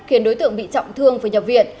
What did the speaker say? khiến đối tượng bị trọng thương với nhập viện